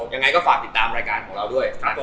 ยังไงก็ฝากติดตามรายการของเราด้วย